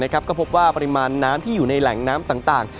ก็พบว่าปริมาณน้ำที่อยู่ในแหล่งน้ำต่าง